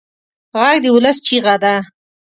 غږ د ولس چیغه ده